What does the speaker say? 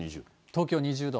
東京２０度。